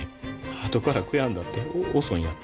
あとから悔やんだって遅いんやて。